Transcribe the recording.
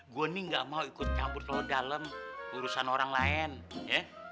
gue nih enggak mau ikut campur ke lo dalam urusan orang lain ya